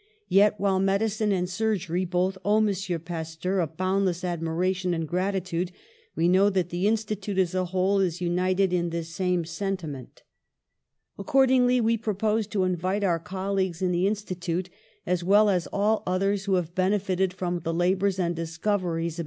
Yet, while medicine and sur gery both owe M. Pasteur a boundless admiration and gratitude, we know that the Institute as a whole is united in this same sentiment. 190 PASTEUR '^Accordingly we propose to invite our colleagues in the Institute, as well as all others who have benefitted from the labours and discoveries of M.